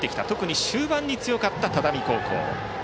特に終盤に強かった只見高校。